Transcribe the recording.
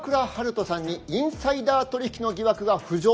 人さんにインサイダー取引の疑惑が浮上と。